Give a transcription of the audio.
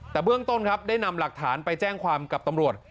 แต่เบื้องต้นครับได้นำหลักฐานไปแจ้งความกับตำรวจ